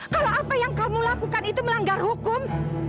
kalau apa yang kamu lakukan itu melanggar hukum